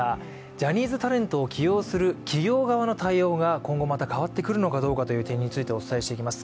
ジャニーズタレントを起用する企業側の対応が今後また変わってくるのかどうかという点についてお伝えしていきます。